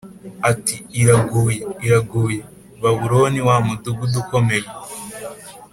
ati “Iraguye, iraguye! Babuloni wa mudugudu ukomeye,